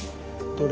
どれ？